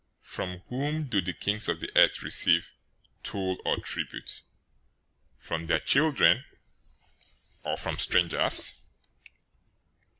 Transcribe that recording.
From whom do the kings of the earth receive toll or tribute? From their children, or from strangers?"